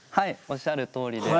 おっしゃるとおりで。